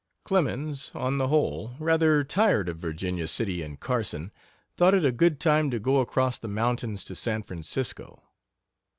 Clemens, on the whole, rather tired of Virginia City and Carson, thought it a good time to go across the mountains to San Francisco.